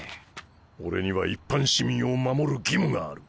俺には一般市民を守る義務がある。